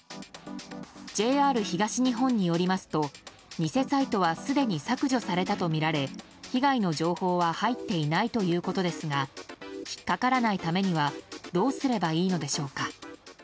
ＪＲ東日本によりますと偽サイトはすでに削除されたとみられ被害の情報は入っていないということですが引っかからないためにはどうすればいいのでしょうか。